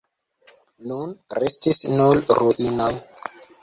Nun restis nur ruinoj.